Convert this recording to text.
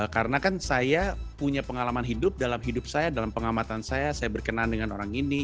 karena kan saya punya pengalaman hidup dalam hidup saya dalam pengamatan saya saya berkenan dengan orang ini